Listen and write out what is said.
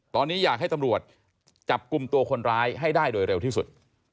ตอนนี้อยากให้ตำรวจจับกลุ่มตัวคนร้ายให้ได้โดยเร็วที่สุด